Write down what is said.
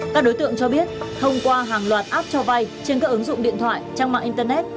các đối tượng cho biết thông qua hàng loạt app cho vay trên các ứng dụng điện thoại trang mạng internet